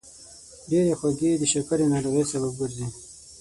ډېرې خوږې د شکرې ناروغۍ سبب ګرځي.